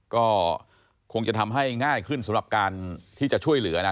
ก็คงจะทำให้ง่ายขึ้นสำหรับการที่จะช่วยเหลือนะ